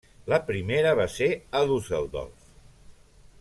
La primera va ser a Düsseldorf.